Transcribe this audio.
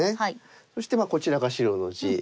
そしてこちらが白の地。